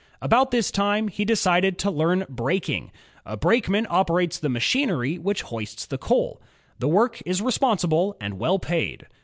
About this time, he decided to learn braking. A brakeman operates the machinery which hoists the coal. The work is responsible and well paid.